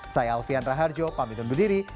saya alfian raharjo pamit dan berdiri